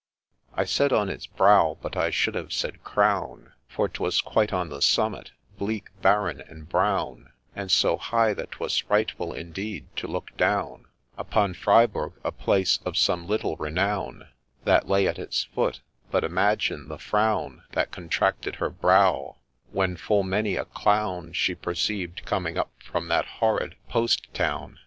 I said on its * brow,' but I should have said ' crown,' For 'twas quite on the summit, bleak, barren, and brown, And so high that 'twas frightful indeed to look down Upon Freiburg, a place of some little renown, That lay at its foot ; but imagine the frown That contracted her brow, when full many a clown She perceived coming up from that horrid post town.